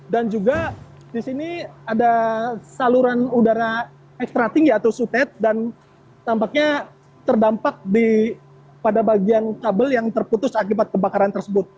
dan juga di sini ada saluran udara ekstra tinggi atau sutek dan tampaknya terdampak pada bagian kabel yang terputus akibat kebakaran